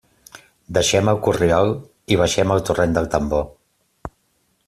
Deixem el corriol i baixem al Torrent del Tambor.